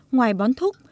ngoài bón thúc